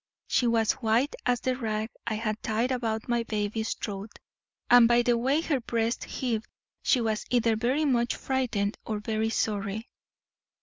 She was white as the rag I had tied about my baby's throat, and by the way her breast heaved she was either very much frightened or very sorry.